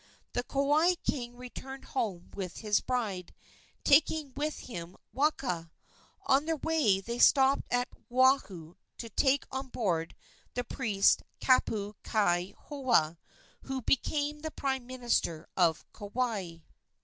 The Kauai king returned home with his bride, taking with him Waka. On their way they stopped at Oahu to take on board the priest Kapukaihaoa, who became the prime minister of Kauai.